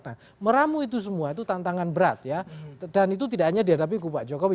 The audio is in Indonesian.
nah meramu itu semua itu tantangan berat ya dan itu tidak hanya dihadapi kupak jokowi